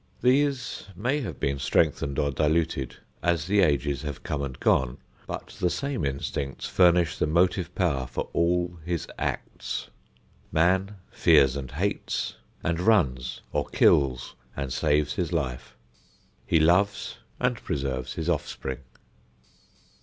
These may have been strengthened or diluted as the ages have come and gone, but the same instincts furnish the motive power for all his acts. Man fears and hates, and runs or kills and saves his life. He loves, and preserves his offspring.